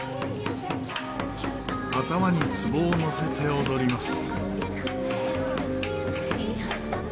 頭に壺をのせて踊ります。